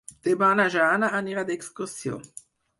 Demà na Jana anirà d'excursió.